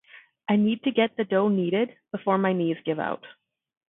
I need to get the dough kneaded before my knees give out.